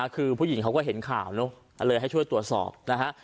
คือผู้หญิงเขาก็เห็นข่าวเนอะเลยให้ช่วยตรวจสอบนะฮะ